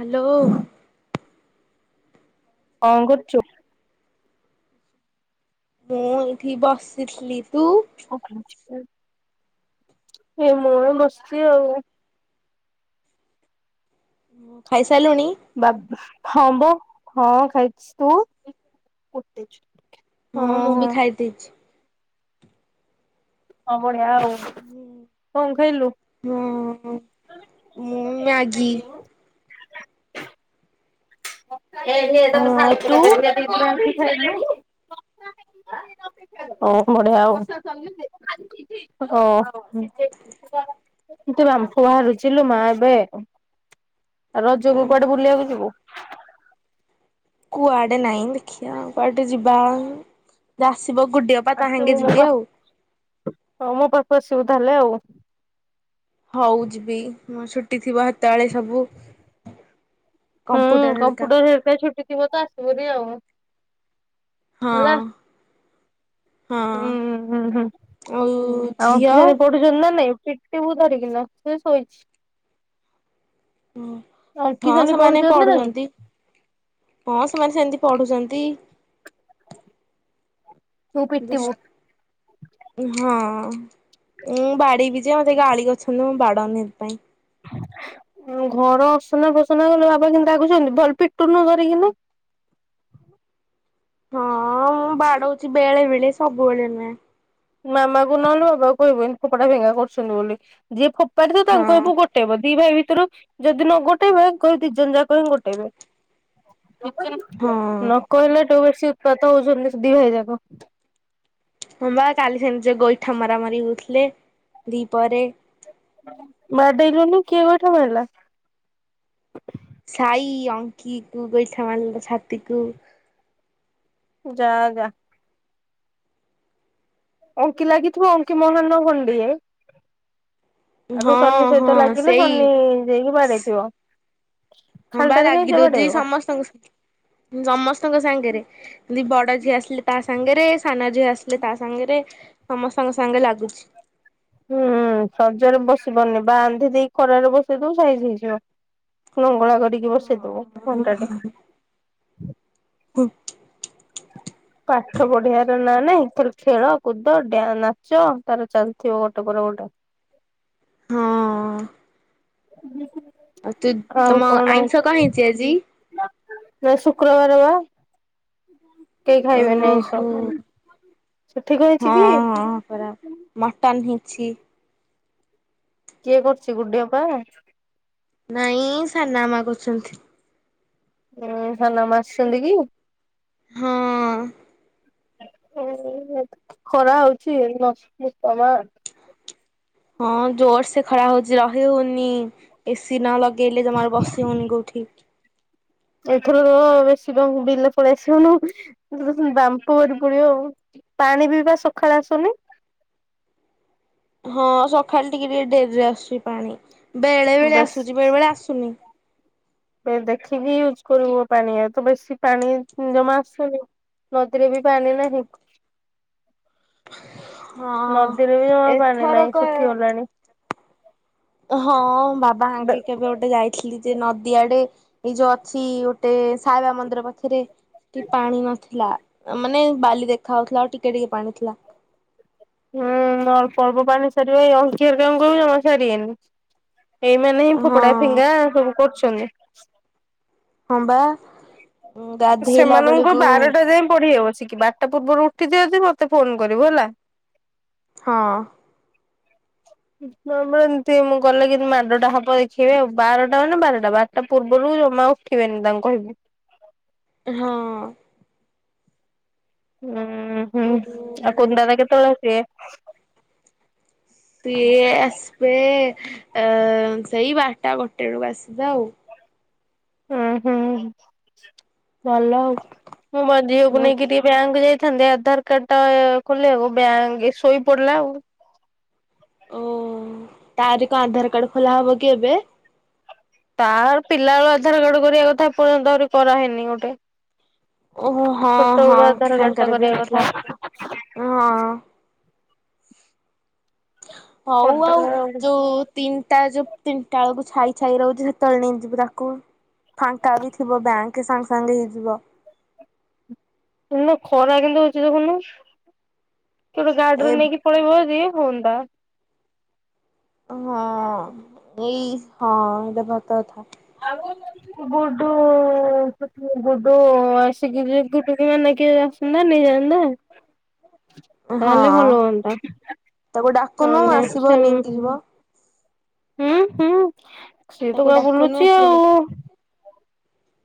Hello. କଁ କରୁଚୁ। ମୁଁ ଏଇଠି ବସିଥିଲି ତୁ। ଏ ମୁଁ ବି ବସିଛି ଆଉ। କଁ ଖାଇ ସାଇଲୁଣି। ହଁ ଖାଇଛି ତୁ। ହଁ ମୁଁ ବି ଖାଇ ଦେଇଛି। ହଁ ବଢିଆ ଆଉ। କଁ ଖାଇଲୁ। ହଁ ମୁଁ ମ୍ୟାଗି [unintelligible] ଅ ତୁ ଓ ବଢିଆ ଆଉ। ହଁ। କେତେ ବାମ୍ଫ ବାହାରୁଚିଲୋ ମା ଏବେ, ରଜକୁ କୁଆଡେ ବୁଲିବାକୁ ଯିବୁ। କୁଆଡେ ନାଇଁ, ଦେଖିଆ କୁଆଡେ ଯିବା ଆଉ ଯୋଉ ଆସିବ ଗୁଡି ଅ ଆସିବୁ ମୋ ପାଖକୁ, ହଁ ମୋ ପାଖକୁ ଆସିବୁ ତାହେଲେ ଆଉ। ହଉ ଯିବି ମୋ ଛୁଟି ଥିବ ହେତବେଳେ ସବୁ। ହୁଁ, କମ୍ପୁଟର ହେରିକା ଛୁଟି ଥିବ ତ ଆସିବୁ ହାରି ଆଉ। ହେଲା। ହଁ। ହଁ ହୁଁ ହୁଁ ହୁଁ ହୁଁ ଆଉ ଆଉ ଝିଅ ଅଖିଆ ରିପୋର୍ଟ। ଗେଲ ନାଇଁ, ପିିଟିବୁ ଧରିକିନା। ସିଏ ଶୋଇଛି। ଆଙ୍କି, ହଁ ସାନି ସେମାନେ ପଢୁଛନ୍ତି ନା ନାହିଁ? ହଁ ସେମାନେ ସେମିତି ପଢୁଛନ୍ତି। ତୁ ପିଟିବୁ। [unintelligible] ହଁ, ମୁଁ ବାଡେଇ ବିି ଯେ ମୋତେ ଗାଳି କରୁଛନ୍ତି ମୁଁ ବାଡ଼ଉନି ସେଥିପାଇଁ। ଅଁ ଘର ଅସନା ଫସନା କଲେ ବାବା କେମନ୍ତି ରାଗୁଛନ୍ତି ଭଲ ପିଟୁନୁ ଧରିକିନା। ହଁ, ମୁଁ ବାଡଉଛି ବେଳେ ବେଳେ ସବୁବେଳେ ନୁହେଁ। ମାମା କୁ ନହେଲେ ବାବା କୁ କହିବୁ‌ ଏମତି ଫୋପୋଡା ଭେଙ୍ଗା କରୁଛନ୍ତି ବୋଲି, ଯିଏ ଫୋ ଫୋପାଡି ଥିବ ତାଙ୍କୁ କହିବୁ ହଁ ଗୋଟେଇବ, ଦି ଭାଇ ଭିତରୁ। ଯଦି ନ ଗୋଟେଇବେ କହିବୁ ଦି ଜଣ ଯାକ ହିଁ ଗୋଟେଇବେ। ହଁ ନ କହିଲାଠୁ ବେଶୀ ଉତ୍ପାତ ହଉଛନ୍ତି ସେ ଦି ଭାଇ ଯାକ। ହଁ ବା କାଲି ସେମିତି ସେ ଗୋଇଠା ମରାମରି ହଉଥିଲେ ଦିପହରେ। ବାଡେଇଲୁନି, କିଏ ଗୋଇଠା ମାଇଲା? ସାଇ, ଅଙ୍କିକୁ, ଗୋଇଠା ମାରିଲା ଛାତିକୁ। ଯା ଯା। ଅଙ୍କି ଲାଗି ପୁଅ ଅଙ୍କି ମହାନ ଖଣ୍ଡିଏ। ଆଗ ହଁ ଶନି ହଁ ସହିତ ଲାଗିଲେ, ସେଇ ଶନି ଯାଇକି ବାଡେଇଥିବ। ହଁ ବା ଖାଲିଟାରେ କାଇଁ ରାଗି ସେ ଦଉଛି ବାଡେଇବ। ସମସ୍ତଙ୍କୁ, ସମସ୍ତଙ୍କ ସାଙ୍ଗରେ। ଦି ବଡ ଝିଅ ଆସିଲେ ତା ସାଙ୍ଗେରେ, ସାନ ଝିଅ ଆସିଲେ ତା ସାଙ୍ଗେରେ। ସମସ୍ତଙ୍କ ସାଙ୍ଗେ ଲାଗୁଛି। ହୁଁ ସଜରେ ବସିବନି ବାନ୍ଧିଦେଇ ଖରାରେ ବସେଇଦବୁ ସାଇଜ ହେଇଯିବ। ଲଙ୍ଗଳା କରିକି ବସେଇଦବୁ ଘଣ୍ଟା ଟେ। ପାଠ ପଢିଆର ନା ନାହିଁ, ଖାଲି ଖେଳ, କୁଦ, ଡା, ନାଚ ତାର ଚାଲିଥିବ ଗୋଟେ ପରେ ଗୋଟେ। ହଁ [inaudible] ଆଉ ତୁ, ତମ ଆଇଁଷ କଣ ହେଇଚି ଆଜି? ଏ ଶୁକ୍ରବାରେ ବା। କେହି ଖାଇବେନି ଓହୋ, ଆଇଁଷ। ହଁ, ସେଠି କହିଛି କି ହଁ ପରା। ମଟନ୍ ହେଇଛି। କିଏ କରୁଛି, ଗୁଡି ଅପା? ନାଇଁ ସାନା ଆମା କରୁଛନ୍ତି। ଉଁ ସାନ ମା ଆସିଛନ୍ତି କି? ହଁ। ହୁଁ ଖରା ହଉଛି ଏଇଟି ବସିଛି ପରା। ହଁ, ଜୋରସେ ଖରା ହଉଛି, ରହି ହଉନି ଏସିି ନ ଲଗ ଗେଲେ ଜମର ବସି ହଉନି କୋଉଠି। ଏଥରକ ରହ୍ ବେଶୀ ତ ହୁଡ଼ିଲେ ପଳେଇ ଆସିବୁନୁ ବାମ୍ପ ବାହାରି ପଳେଇବ। ପାଣି ବି ବା ସଖାଳେ ଆସୁନି। ହଁ ସଖାଳେ ଟିକେ ଟିକେ ଡେରିରେ ଆସୁଛି ପାଣି। ବେଳେ ବେଳେ ଆସୁଛି, ବେଳେ ବେଳେ ଆସୁନି। ଏ ଦେଖିକି ୟୁଜ୍ କରିବୁ ପାଣିଆ, ତ ବେଶି ପାଣି ଜମା ଆସୁନି। ନଦୀରେ ବି ପାଣି ନାହିଁ। ହଁ। ନଦୀରେ ବି ଜମା ପାଣି ନାହିଁ, ଏଥରକ ସୁଖିଗଲାଣି। ହଁ ବାବା ଆଙ୍କି କେବେ ଗୋଟେ ଯାଇ ଖିଲି ଯେ ନଦୀଆଡେ, ଏଇ ଯୋଉ ଅଛି ଗୋଟେ ସାଇବା ମନ୍ଦିର ପାଖରେ। ଟିକେ ପାଣି ନଥିଲା ମାନେ ବାଲି ଦେଖା ହଉଥିଲା ଆଉ ଟିକେ ଟିକେ ପାଣି ଥିଲା ହୁଁ ଅଳ୍ପ ଅଳ୍ପ ପାଣି ସାରିବେ ଏଇ ଅଙ୍କି ଘରିକାଙ୍କୁ କହିବୁ ଜମା ଛାଡେବେନି ଏଇମାନେ ହିଁ ହଁ ଫୋପଡା ଫିଙ୍ଗା ସବୁ କରୁଛନ୍ତି ହଁ ବା ଗାଧେଇଲା ସେମାନଙ୍କୁ ବେଳକୁ ବାରଟା ଯାଏଁ ପଢିହବ ଚିକି ବାରଟା ପୂର୍ବରୁ ଉଠି ଥିବେ ଯଦି ମତେ ଫୋନ କରିବୁ ହେଲା ହଁ ହୁଁ ହଁ ବା ଏମିତି ମୁଁ ଗଲେ କିନ୍ତୁ ମାଡ଼ଟା ହବ ଦେଖିବେ ଆଉ ବାରଟା ମାନ ବାରଟା ବାରଟା ପୂର୍ବରୁ ଜମା ଉ ଉଠିବେନି ତାଙ୍କୁ କହିବୁ ହଁ ହୁଁ ହୁଁ ଆଉ କୁନୁ ଦାଦା କେତେବେଳେ ଆସିବେ? ସିଏ ଆସିବେ ଅ ସେଇ ବାରଟା ଗୋଟେ ବେଳକୁ ଆସିବେ ଆଉ ହୁଁ ହୁଁ ଭଲ ଆଉ ମୁଁ ବା ଝିଅକୁ ନେଇକି ଟିକେ ବ୍ୟାଙ୍କକୁ ଯାଇଥାନ୍ତେ ଆଧାର କାର୍ଡ ଟା ଖୋଲି ଆକୁ ବ୍ୟାଙ୍କ ଶୋଇ ପଡିଲା ଆଉ ଓ ତାରି କଣ ଆଧାର କାର୍ଡ ଖୋଲା ହବ କି ଏବେ ତାର ପିଲାବେଳୁ ଆଧାର କାର୍ଡ କରିବା କଥା ଏପର୍ଯ୍ୟନ୍ତ ଆହୁରି କରା ହେଇନି ଗୋଟେ। ଓହୋ ହଁ ହଁ ଛୋଟବେଳୁ ଆଧାର କାର୍ଡଟା ସାଙ୍ଗରେ ବି କରିବା ହେଇଥିଲା କଥା। ହଁ। ହୋଉ ଆଉ ଯୋଉ ତିନିଟା ଯୋଉ ତିନିଟାବେଳକୁ ଛାଇ ଛାଇ ରହୁଚି। ସେତେବେଳେ ନେଇଯିବୁ ତାକୁ ଫାଙ୍କା ବି ଥିବ ବ୍ୟାଙ୍କ ସାଙ୍ଗେ ସାଙ୍ଗେ ହେଇଯିବ। ଇଲୋ ଖରା କେମିତି ହୋଉଚି ଦେଖୁନୁ କିଏ ଗୋଟେ ଏ ଗାଡିରେ ନେଇକି ପଳେଇବ ଯଦି ହୁଅନ୍ତା। ହଁ ଏଇ ହଁ ଏଇଟା ପା ସତକଥା। ଆଳୁ [unintelligible] ଗୁଡୁ [unintelligible] ଗୁଡୁ ଆସିକିରି ଗୁଡୁ କୁ ନା [unintelligible] ନେଇକି ଆସନ୍ତା ନେଇଯାଆନ୍ତା। ହଁ ତାହେଲେ ଭଲ ହୁଅନ୍ତା। ତାକୁ ଡାକୁନୁ ହଁ ଆସିବ ଦେଖେ ନେଇକି ମୁଁ ଯିବ ହୁଁ ହୁଁ ସେଇ ତାକୁ ଟୋକା ଡାକୁନୁ ବୁଲୁଚି ଆସିକି ଆଉ। ନେଇକି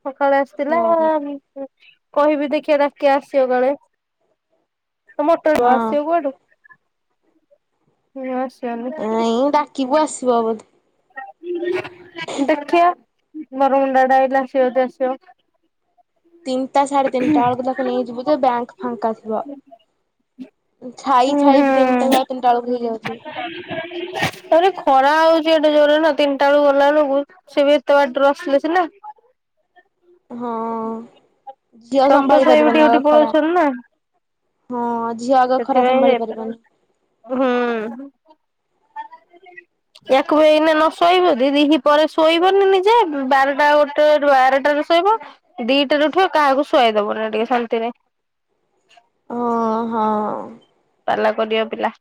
ସକାଳେ ଆସିଥିଲା ହଁ କହିବି ଦେଖିଆ ରାତି ଆସିଵ କାଳେ। [unintelligible] ହଁ ଆସିବ କୁଆଡୁ। ନାଁ ଆସିବନି। କିବୁ ଆସିବ ବୋଧେ। ଦେଖିଆ ବରମୁଣ୍ଡା ଆଡେ ଆଇଲେ ଆସିବ ଯଦି ଆସିବ। ତିନିଟା ସାଢେ ତିନିଟା ବେଳକୁ ତାକୁ ନେଇଯିବୁ ଯେ ବ୍ୟାଙ୍କ ଫାଙ୍କା ଥିବ। ଉଁ ଛାଇ ହୁଁ ଛାଇ ହୁଁ ବି ତିନିଟା ସାଢେ ତିନିଟା ବେଳକୁ ହେଇଯାଉଚି। ତାପରେ ଖରା ହୋଉଚି ଏଡେ ଜୋରରେ ନା ତିନିଟା ବେଳକୁ ଗଲା ବେଳକୁ। ସିଏ ବି ଏତେ ବାଟରୁ ଆସିଲେ ସିନା। ହଁ ଝିଅ ସନ୍ତୋଷ ସମ୍ଭାଳି ଭାଇ ବି ପାରିବନି ଡ୍ୟୁଟି ଆଉ ଖରା। ପଳଉଛନ୍ତି ନା ହଁ ଝିଅ ଆଗ ଖରା ସେଥିପାଇଁ ସମ୍ଭାଳି ଯାଇପାରୁନି। ପାରିବନି। ହୁଁ। ୟାକୁ ବି ଏଇନା ନ ଶୋଇବୁ ଯଦି ଦିହିପହରେ ଶୋଇବନି ନିଜେ ବାରଟା ଗୋଟେ ବାରଟାରୁ ଶୋଇବ ଦିଇଟାରେ ଉଠିବ କାହାକୁ ଶୁଆଇ ଦବନି ଟିକେ ଶାନ୍ତିରେ। ହଁ ହଁ। ପାଲା କରିବା ପିଲା।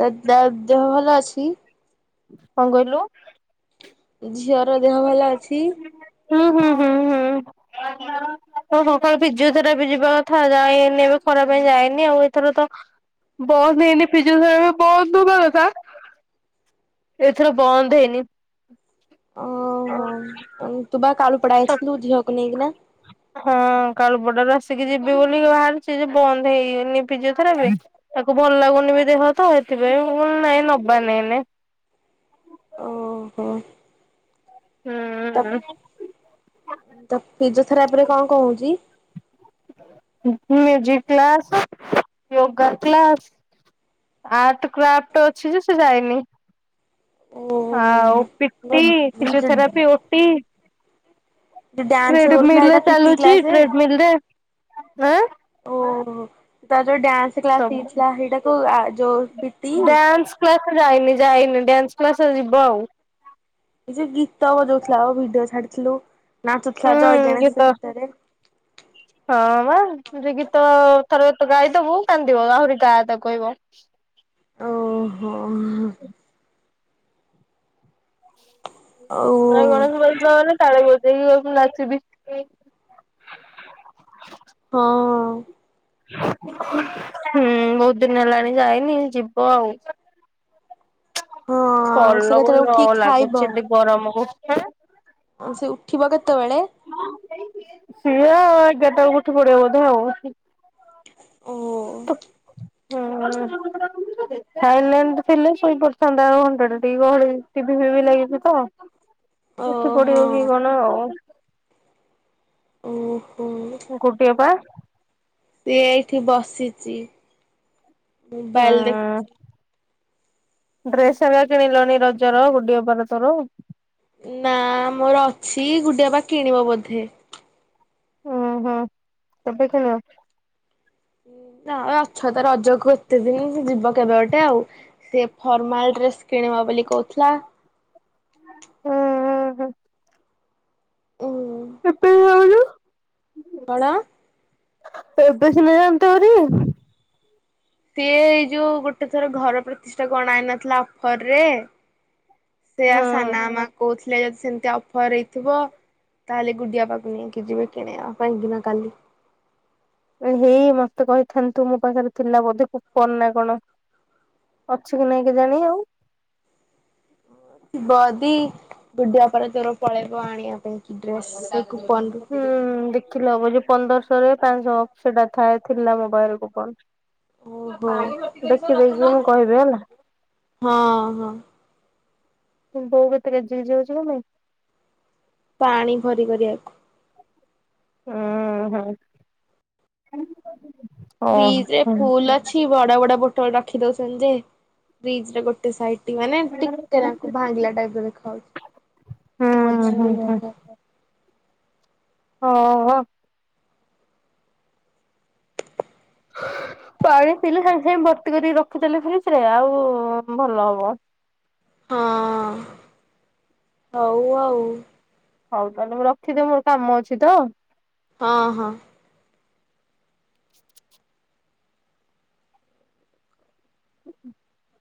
ତା ତା ଦେହ ଭଲ ଅଛି? କଣ କହିଲୁ? ଝିଅର ଦେହ ଭଲ ଅଛି? ହୁଁ ହୁଁ ହୁଁ ହୁଁ ଓହୋ କଣ ଫିଜିଓଥେରାପି ଯିବ। ଏଥର ଯାଇନି ଏବେ ଖରା ପାଇଁ ଯାଏନି ଆଉ ଏଥର ତ ବନ୍ଦ ବି ହେଇନି ଫିଜିଓଥେରାପି ବନ୍ଦ ହବା କଥା। ଏଇଥର ବନ୍ଦ ହେଇନି। ଓହୋ ତୁ ବା କାଳୁପଡା ଆଇଥିଲୁ ଝିଅକୁ ନେଇକିନା। ହଁ କାଳୁପଡାରୁ ଆସିକି ଯିବି ବୋଲି ବାହାରୁଚି ଯେ ବନ୍ଦ ହେଇନିି ଫିଜିଓଥେରାପି। ତାକୁ ଭଲ ଲାଗୁନି ବି ଦେହ ତ ହେଥିପାଇଁ ମୁଁ [unintelligible] ନାଇଁ ନବ ନାଇଁ ଏନେ। ଓହୋ। ହୁଁ ହୁଁ। ତ ଫିଜିଓଥେରାପିରେ କଣ କଣ ହୋଉଚି? Music class, yoga class art craft ଅଛି ଯେ ସେ ଯାଇନି। ଓ ଆଉ ପିଟି, ଯୋଉ ଫିଜିଓଥେରାପି ଓଟି ଏ ଡାନ୍ସ କରୁଥିଲା ଟ୍ରେଡମିଲ ରେ ଏଇଟା ପିଟି ଚାଲୁଛି କ୍ଲାସେ। ଟ୍ରେଡମିଲ ରେ ଆଁ ଓହୋ ତାଯୋଉ ଡ୍ୟାନ୍ସ କ୍ଲାସ୍ ସବୁ ହେଇଥିଲା ସେଇଟାକୁ ଆ ଯୋ ଡ୍ୟାନ୍ସ କ୍ଲାସ୍ ଯାଇନି ଯାଇନି ଡ୍ୟାନ୍ସ କ୍ଲାସ୍ ଯିବ ଆଉ। ସେଯେଉ ଗୀତ ବଜାଉଥିଲା ଆ ଭିଡିଓ ଛାଡିଥିଲୁ ନାଚୁଥିଲା ଜୟ ହୁଁ ଘଣେଶ ଗୀତ ଗୀତରେ। ହଁ ବା। ଯେ ଗୀତ ଥରେତ ଗାଇଦବୁ କାନ୍ଦିବ ଆହୁରି ଗା ତାକୁ କଇଁବ। ଓହୋ। [inaudible] ଆଉ ଜୟ ଗଣେଶ ବାଜିଲା ମାନେ ତାଳେ ବଜେଇକି କଇଁବୁ ନାଚିବି। ହଁ। ହୁଁ ବହୁତ୍ ଦିନି ହେଲାଣି ଯାଇନି ଯିବ ଆଉ। ହଁ ସେ କେତେବେଳେ କଲବଲ ଉଠିକି ଖାଇବ ନଲାଗୁଚି ଗରମକୁ ଆଁ। ଆଉ ସେ ଉଠିବ କେତେବେଳେ? ସିଏ ଆଉ ଏଗାରଟା ବଳକୁ ଉଠେ ପଡ଼େ ବୋଧେ ଆଉ। ଓ [inaudible] ହୁଁ ସାଇଲାଣ୍ଡ ଥିଲେ ଶୋଇପରିଥାନ୍ତା ଆଉ ଘଣ୍ଡା ଟିକେ ଗହଳି ଟିଭି ଫିଭି ଲାଗିଚିତ ଉଠି ଓହୋ ପଡ଼ିବକି କଣ ଆଉ। ଉଁ ହୁଁ। ଗୋଟିଏପା। ସିଏ ଏଇଠି ବସିଚି ଉଁ ମୋବାଇଲ୍ ଦେ ଡ୍ରେସ୍ ହରିକା କିଣିଲନି ରଜର ଗୁଡି ଅପାର ତୋର? ନା ମୋର ଅଛି ଗୁଡି ଅପା କିଣିବ ବୋଧେ। ଉଁ ହୁଁ କେବେ ଖେଳ? ଁ ଅଛତ ରଜକୁ ଏତେ ଦିନ୍ ଯିବ କେବେ ଗୋଟେ ଆଉ। ସେ ଫର୍ମାଲ ଡ୍ରେସ୍ କିଣିବ ବୋଲି କହୁଥିଲା। ହୁଁ ହୁଁ ହୁଁ। ଉ କେତେଳେ ଯାଉଚୁ? କଣ? ଏବେ ସିନା ଜାଆନ୍ତୁ ହାରି? ସିଏ ଏଇ ଯୋଉ ଗୋଟେ ଥର ଘର ପ୍ରତିଷ୍ଠା ଅଣାଇନଥିଲା ଅଫରରେ ସେଇଆ ସାନା ମା କହୁଥି ଏଟା ଯଦି ସେମିତି ଅଫର ହେଇଥିବ ତାହେଲେ ଗୁଡିଆ ପାଖକୁ ନେଇକି ଯିବେ କିଣେଇିବା ପାଇଁକିନା କାଲି। ଏହେ ମତେ କହିଥାନ୍ତୁ ମୋ ପାଖରେ ଥିଲା ବୋଧେ କୁପନନା କଣ? ଅଛିକି ନାଇଁ କେଜାଣି ଆଉ। ିବଦି ବୁଡୀବା ପରେ ତୋର ପଳେଇବ ଆଣିବା ପାଇଁ। ଡ୍ରେସ୍ ସେଇ କୂପନରୁ ଥିଲା ଅବଯଉ ପନ୍ଦରଶହରେ ପାଞ୍ଚଶହ ସେଟା ଥାଏ ଥିଲା ମୋବାଇଲ୍ କୁ କୁପନ୍। ଓହୋ ଦେଖି ଦେଖି ବମୁଁ କହିବି ହେଲା ହଁ ହଁ। ବୋଉ କେତେ ଗେଜେ ଗେଜେ ହଉଚି କଁ ପାଇଁ? ପାଣି ଭରି କରିବାକୁ। ଉଁ ହୁଁ। ଫ୍ରିଜରେ ଫୁଲ୍ ଅଛି ବଡ଼ ବଡ଼ ବୋଟଲ୍ ରଖି ଦଉଚନ୍ତିଯେ ଫ୍ରିଜରେ ଗୋ ଗୋଟେ ସାଇଟଙ୍ଗ୍ ମାନେ ଓହୋ ଟିକେନାକୁ ଭାଂଗିଲା ଟାଇପ୍ ର ଦେଖାଯାଉଚି। ହୁଁ ହୁଁ ମଝିରୁ ହୁଁ। [unintelligible] ହଁ ହଁ। ପାଣି ପିଇଲେ ସାଙ୍ଗେ ସାଙ୍ଗେ ଭର୍ତ୍ତି କରି ରଖିଦେଲେ ଫ୍ରିଜ ରେ, ଆଉ ଭଲ ହବ। ହଁ, ହଉ ଆଉ। ହଉ ତାହେଲେ ମୁଁ ରଖିଦିଏ, ମୋର କାମ ଅଛି ତ। ହଁ ହଁ। [unintelligible]